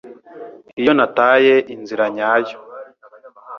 iyo nataye inzira nyayo